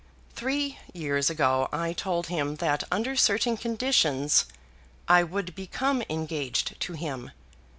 Three years ago I told him that under certain conditions I would become engaged to him.